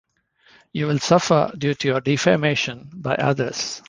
You will suffer due to your defamation by others.